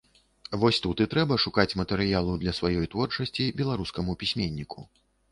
Вось тут і трэба шукаць матэрыялу для сваёй творчасці беларускаму пісьменніку.